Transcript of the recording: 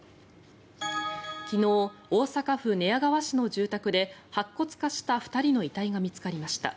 昨日、大阪府寝屋川市の住宅で白骨化した２人の遺体が見つかりました。